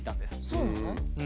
そうなの？